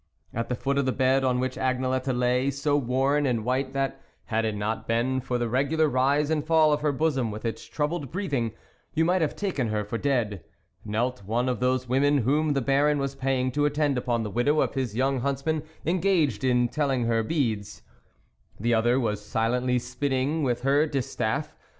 At the foot of the bed on which Agnelette lay, so worn and white that, had it not been for the regular rise and fall of her bosom with its troubled breathing, you might have taken her for dead, knelt one of the women, whom the Baron was paying to attend upon the widow of his young huntsman, engaged in telling her beads ; the other was silently spinning with her distaff.